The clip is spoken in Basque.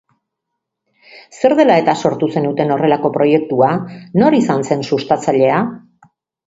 Zer dela eta sortu zenuten horrelako proiektua, nor izan zen sustatzailea?